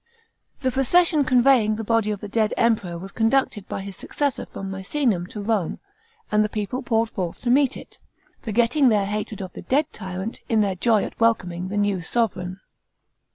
The procession conveying the body of the dead Emperor was conducted by his successor from Misenum to Rome, and the people poured forth to meet it, forgetting their hatred of the dead tyrant in their joy at welcoming the new sovran.